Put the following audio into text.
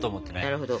なるほど。